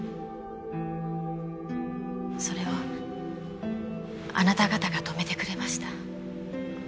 それをあなた方が止めてくれました。